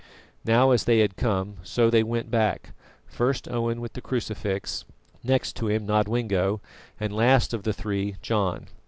Now, as they had come, so they went back; first Owen with the crucifix, next to him Nodwengo, and last of the three John.